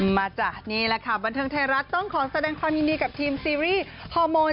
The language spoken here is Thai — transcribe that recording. มาจ้ะนี่แหละค่ะบันเทิงไทยรัฐต้องขอแสดงความยินดีกับทีมซีรีส์ฮอร์โมน